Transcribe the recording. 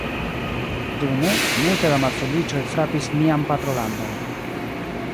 Dume, multe da malfeliĉoj frapis nian patrolandon.